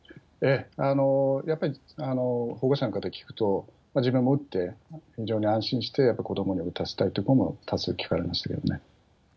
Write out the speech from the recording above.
やっぱり保護者の方に聞くと、自分も打って、非常に安心して、やっぱり子どもにも打たせたいという声も多数聞かれましたけどね。